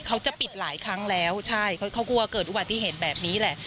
เขาจะปิดหลายครั้งแล้วใช่เขากลัวเกิดอุบัติเหตุแบบนี้แหละ